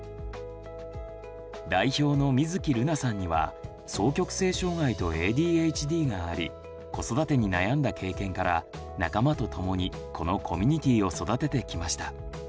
代表の水月琉凪さんには双極性障害とＡＤＨＤがあり子育てに悩んだ経験から仲間と共にこのコミュニティーを育ててきました。